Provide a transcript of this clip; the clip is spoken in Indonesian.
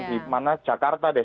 di mana jakarta deh